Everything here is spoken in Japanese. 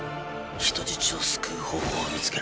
人質を救う方法を見つける。